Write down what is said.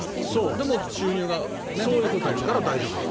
でも収入が入るから大丈夫だと。